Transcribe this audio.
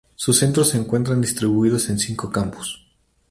Sus centros se encuentran distribuidos en cinco campus.